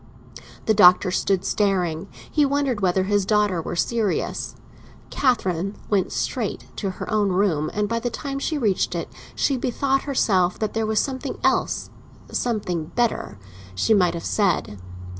The Doctor stood staring; he wondered whether his daughter were serious. Catherine went straight to her own room, and by the time she reached it she bethought herself that there was something else—something better—she might have said.